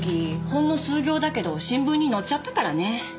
ほんの数行だけど新聞に載っちゃったからね。